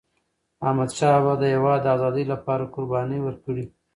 احمدشاه بابا د هیواد د آزادی لپاره قربانۍ ورکړي.